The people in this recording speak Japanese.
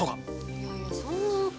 いやいやそんなわけ。